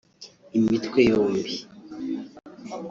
imitwe yombi